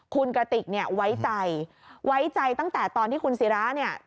คุณกะติกไว้ใจไว้ใจตั้งแต่ตอนที่คุณศิรา